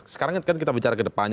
sekarang kan kita bicara ke depannya